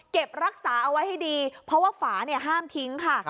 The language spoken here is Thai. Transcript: รักษาเอาไว้ให้ดีเพราะว่าฝาเนี่ยห้ามทิ้งค่ะ